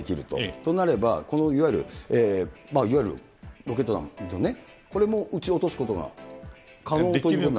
となれば、このいわゆる、ロケット弾ですよね、これも撃ち落とすことが可能ということになりますか？